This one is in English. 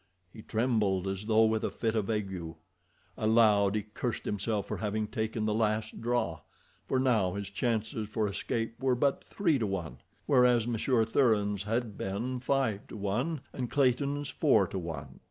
He trembled as though with a fit of ague. Aloud he cursed himself for having taken the last draw, for now his chances for escape were but three to one, whereas Monsieur Thuran's had been five to one, and Clayton's four to one.